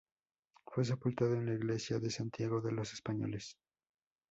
Fue sepultado en la iglesia de Santiago de los españoles.